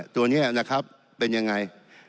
ตัวนี้เป็นอย่างไง